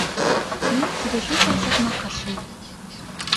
Мен тирешүү саясатына каршымын.